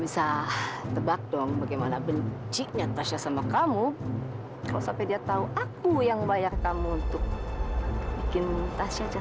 sampai jumpa di video selanjutnya